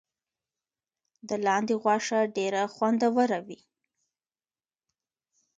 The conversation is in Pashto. د لاندي غوښه ډیره خوندوره وي.